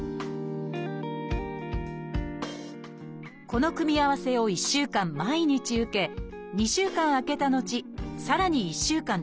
この組み合わせを１週間毎日受け２週間空けた後さらに１週間続けます。